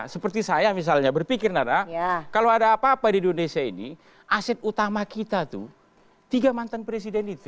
seperti saya misalnya berpikir nara kalau ada apa apa di indonesia ini aset utama kita tuh tiga mantan presiden itu